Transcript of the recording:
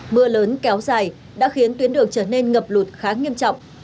mưa lớn kéo dài đã khiến tuyến đường trở nên ngập lụt khá nghiêm trọng